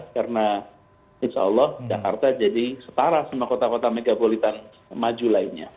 karena insya allah jakarta jadi setara sama kota kota megabolitan maju lainnya